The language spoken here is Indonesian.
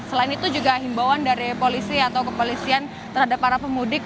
selain itu juga himbauan dari polisi atau kepolisian terhadap para pemudik